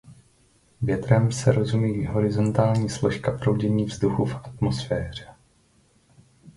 Větrem se rozumí horizontální složka proudění vzduchu v atmosféře.